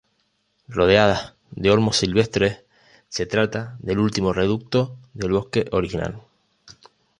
Rodeadas de olmos silvestres, se trata del último reducto del bosque original.